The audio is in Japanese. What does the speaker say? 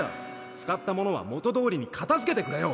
使ったものは元どおりに片づけてくれよ！